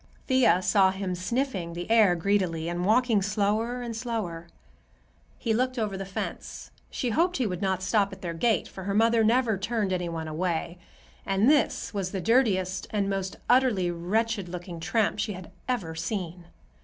Thea saw him sniffing the air greedily and walking slower and slower. He looked over the fence. She hoped he would not stop at their gate, for her mother never turned any one away, and this was the dirtiest and most utterly wretched looking tramp she had ever seen.